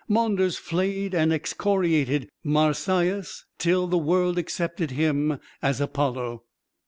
Maunders flayed and excoriated Marsyas till the world accepted him as Apollo.